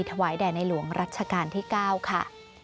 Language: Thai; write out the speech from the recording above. ถวายแด่ในหลวงรัชกาลที่๙ค่ะ